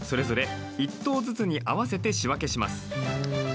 それぞれ１頭ずつに合わせて仕分けします。